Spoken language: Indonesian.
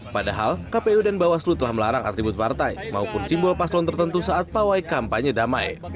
padahal kpu dan bawaslu telah melarang atribut partai maupun simbol paslon tertentu saat pawai kampanye damai